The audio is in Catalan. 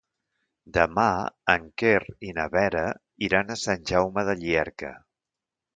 Demà en Quer i na Vera iran a Sant Jaume de Llierca.